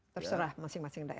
terserah masing masing daerah